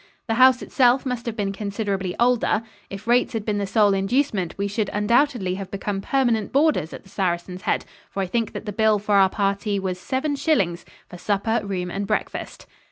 The house itself must have been considerably older. If rates had been the sole inducement, we should undoubtedly have become permanent boarders at the Saracen's Head, for I think that the bill for our party was seven shillings for supper, room and breakfast.